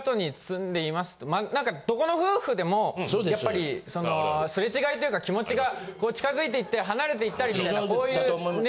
なんかどこの夫婦でもやっぱりそのすれ違いというか気持ちが近づいていったり離れていったりとかこういうね